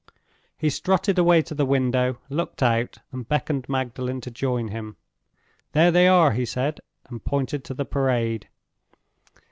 He strutted away to the window, looked out, and beckoned to Magdalen to join him. "There they are!" he said, and pointed to the Parade.